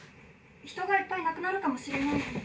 人がいっぱい亡くなるかもしれないのに。